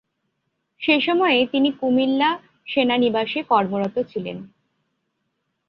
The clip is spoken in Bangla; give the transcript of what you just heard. সে সময়ে তিনি কুমিল্লা সেনানিবাসে কর্মরত ছিলেন।